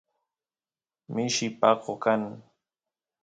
mishi paqo kan